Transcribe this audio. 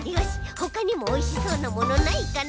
ほかにもおいしそうなものないかな？